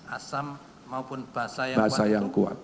asam maupun basa yang kuat